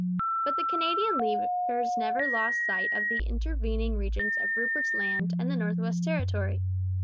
But the Canadian leaders never lost sight of the intervening regions of Rupert's Land and the North West Territory.